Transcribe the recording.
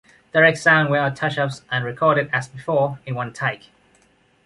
Direct sound without touch ups and recorded as before, in one take.